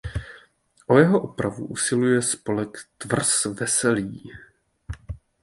O jeho opravu usiluje spolek Tvrz Veselí.